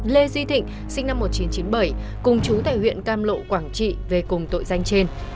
lê duy thịnh sinh năm một nghìn chín trăm chín mươi bảy cùng chú tại huyện cam lộ quảng trị về cùng tội danh trên